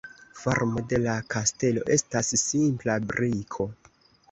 Formo de la kastelo estas simpla briko.